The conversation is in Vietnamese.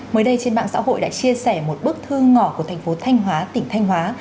mới đây trên mạng xã hội đã chia sẻ một bức thư ngỏ của thành phố thanh hóa tỉnh thanh hóa